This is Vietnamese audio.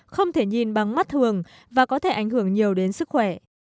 không thể nhìn bằng mắt thường và có thể ảnh hưởng nhiều đến sức khỏe